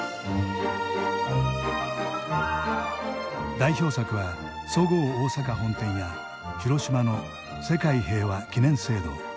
代表作はそごう大阪本店や広島の世界平和記念聖堂。